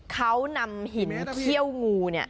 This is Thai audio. เขานำหินเขี้ยวงู